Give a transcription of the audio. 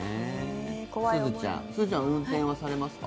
すずちゃんは運転されますか？